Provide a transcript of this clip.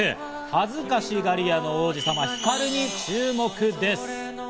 恥ずかしがり屋の王子様・ＨＩＫＡＲＵに注目です。